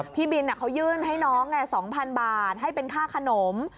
พี่บินเขายื่นให้น้อง๒๐๐๐บาทให้เป็นค่าขนม